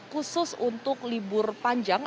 khusus untuk libur panjang